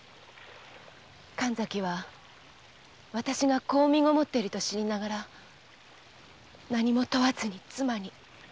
神崎は私が子を身ごもっていると知りながら何も問わずに妻に。